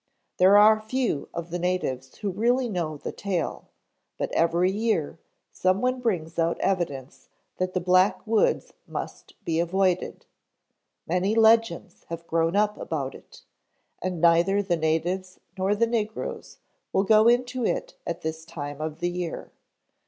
There are few of the natives who really know the tale, but every year someone brings out evidence that the Black Woods must be avoided; many legends have grown up about it, and neither the natives nor the negroes will go into it at this time of the year.